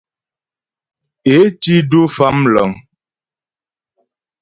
Ě tí du Famləŋ.